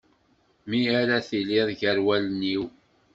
Mi ara tiliḍ gar wallen-iw.